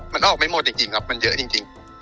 มันออกไม่หมดจริงครับมันเยอะจริง